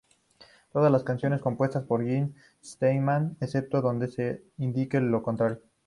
Todas las canciones compuestas por Jim Steinman, excepto donde se indique lo contrario.